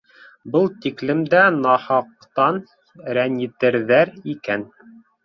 Был тиклем дә нахаҡтан рәнйетерҙәр икән.